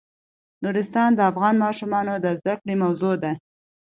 نورستان د افغان ماشومانو د زده کړې موضوع ده.